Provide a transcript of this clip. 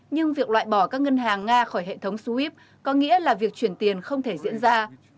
nhưng việc loại bỏ các ngân hàng nga khỏi hệ thống swif có nghĩa là việc chuyển tiền không thể diễn ra